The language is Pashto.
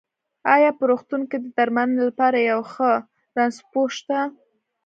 ايا په روغتون کې د درمنلې لپاره يو ښۀ رنځپوۀ شته؟